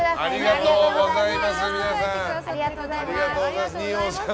ありがとうございます。